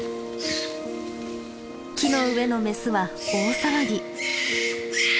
木の上のメスは大騒ぎ。